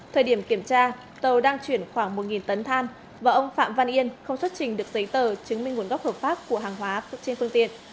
thời điểm kiểm tra tàu đang chuyển khoảng một tấn than và ông phạm văn yên không xuất trình được giấy tờ chứng minh nguồn gốc hợp pháp của hàng hóa trên phương tiện